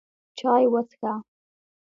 چای وڅښه!